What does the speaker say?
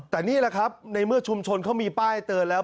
แต่นี่แหละครับในเมื่อชุมชนเขามีป้ายเตือนแล้ว